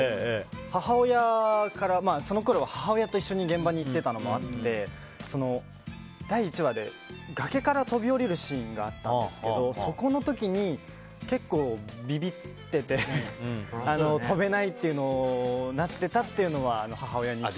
母親からそのころは母親と一緒に現場に行っていたのもあって第１話で、崖から飛び降りるシーンがあったんですけどそこの時に、結構ビビってて飛べないってなってたっていうのをじゃあ